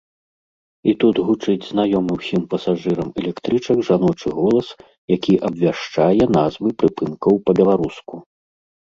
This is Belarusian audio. І тут гучыць знаёмы ўсім пасажырам электрычак жаночы голас, які абвяшчае назвы прыпынкаў па-беларуску.